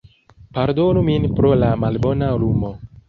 Pardonu min pro la malbona lumo